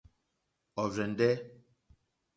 Ɔ̀rzɛ̀ndɛ́.